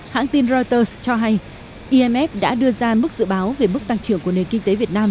hãng tin reuters cho hay imf đã đưa ra mức dự báo về mức tăng trưởng của nền kinh tế việt nam